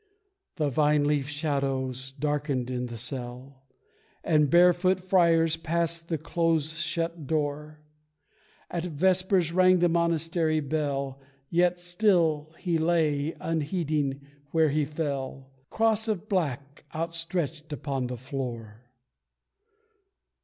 The vine leaf shadows darkened in the cell And barefoot friars passed the close shut door; At vespers rang the monastery bell, Yet still he lay, unheeding, where he fell, Cross of black outstretched upon the floor.